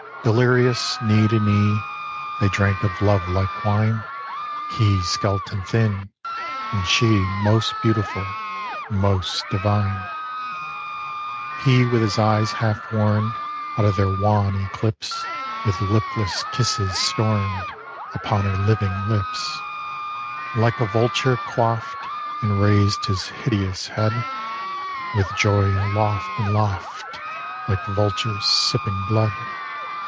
Delirious, knee to knee, They drank of love like wine, He skeleton thin, and she Most beautiful, most divine. He with his eyes half warm'd Out of their wan eclipse With lipless kisses storm'd Upon her living lips, And like a vulture quaff'd, And raised his hideous head With joy aloft, and laugh'd Like vultures sipping blood.